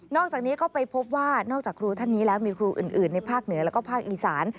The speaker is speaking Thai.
อกจากนี้ก็ไปพบว่านอกจากครูท่านนี้แล้วมีครูอื่นในภาคเหนือแล้วก็ภาคอีสาน